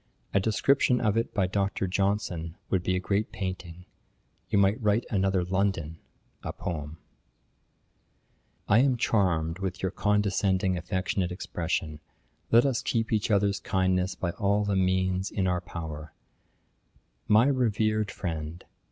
A description of it by DR. JOHNSON would be a great painting; you might write another London, a Poem.' 'I am charmed with your condescending affectionate expression, "let us keep each other's kindness by all the means in our power;" my revered Friend!